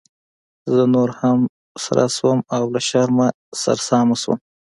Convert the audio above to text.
زه نوره هم سره شوم او له شرمه سرسامه شوم.